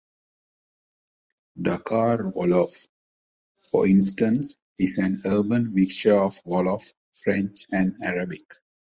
"Dakar-Wolof", for instance, is an urban mixture of Wolof, French, and Arabic.